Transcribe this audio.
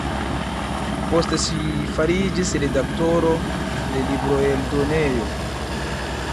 Poste ŝi fariĝis redaktoro de libroeldonejo.